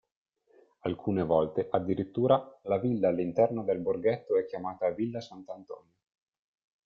Alcune volte, addirittura, la villa all'interno del borghetto è chiamata Villa S. Antonio.